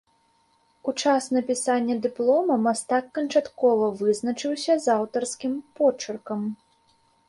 У час напісання дыплома мастак канчаткова вызначыўся з аўтарскім почыркам.